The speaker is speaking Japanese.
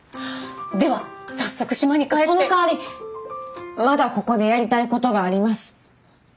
そのかわりまだここでやりたいことがあります。